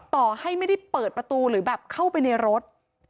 ต่อให้ไม่ได้เปิดประตูหรือแบบเข้าไปในรถ